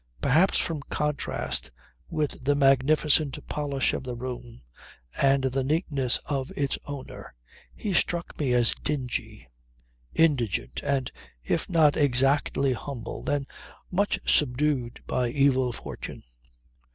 Perhaps from contrast with the magnificent polish of the room and the neatness of its owner, he struck me as dingy, indigent, and, if not exactly humble, then much subdued by evil fortune.